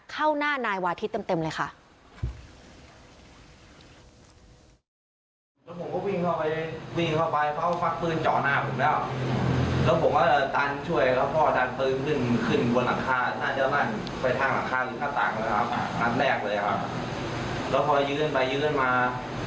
เข้าหน้านายวาทิศเต็มเลยค่ะ